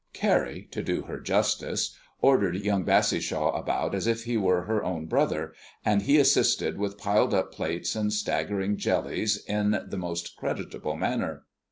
Carrie, to do her justice, ordered young Bassishaw about as if he were her own brother, and he assisted with piled up plates and staggering jellies in the most creditable manner.